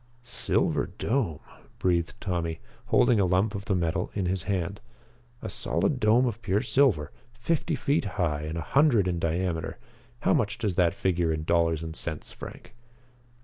"Silver Dome," breathed Tommy, holding a lump of the metal in his hand. "A solid dome of pure silver fifty feet high and a hundred in diameter. How much does that figure in dollars and cents, Frank?"